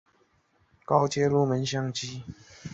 它的价位和性能参数代表它是高阶入门相机。